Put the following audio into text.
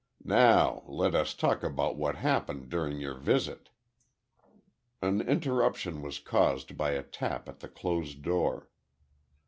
"Now let us talk about what happened during your visit." An interruption was caused by a tap at the closed door.